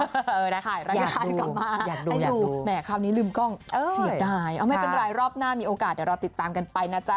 ถ่ายรายการกลับมาให้ดูแหมคราวนี้ลืมกล้องเสียดายเอาไม่เป็นไรรอบหน้ามีโอกาสเดี๋ยวเราติดตามกันไปนะจ๊ะ